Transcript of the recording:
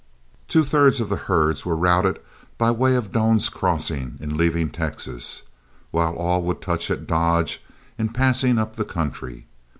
Two thirds of the herds were routed by way of Doan's Crossing in leaving Texas, while all would touch at Dodge in passing up the country.